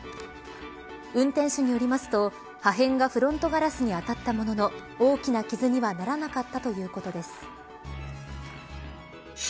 運転手によりますと破片がフロントガラスに当たったものの大きな傷にはならなかったということです。